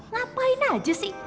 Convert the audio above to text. ngapain aja sih